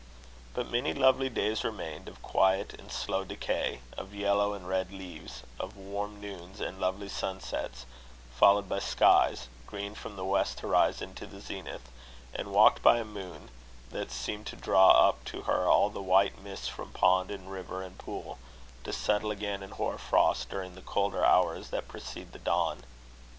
But many lovely days remained, of quiet and slow decay, of yellow and red leaves, of warm noons and lovely sunsets, followed by skies green from the west horizon to the zenith, and walked by a moon that seemed to draw up to her all the white mists from pond and river and pool, to settle again in hoar frost, during the colder hours that precede the dawn.